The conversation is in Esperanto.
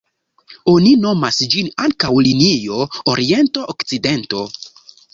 Oni nomas ĝin ankaŭ linio oriento-okcidento.